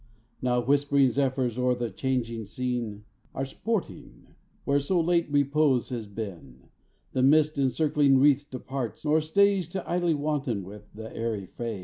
Now whisp'ring Zephyrs o'er the changing scene Are sporting, where so late repose has been, The mist in circling wreaths departs, nor stays To idly wanton with the airy fays.